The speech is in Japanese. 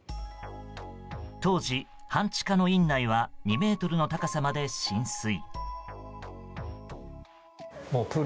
当時、半地下の院内は２ｍの高さまで浸水。